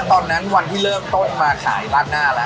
ตอนนั้นวันที่เริ่มต้นมาขายราดหน้าแล้ว